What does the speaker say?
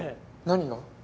何が？